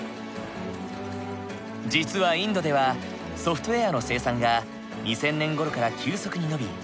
実はインドではソフトウェアの生産が２０００年ごろから急速に伸び